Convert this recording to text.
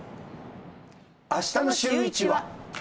あしたのシューイチは。